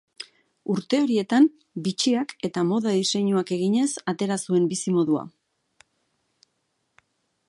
Urte horietan bitxiak eta moda-diseinuak eginez atera zuen bizimodua.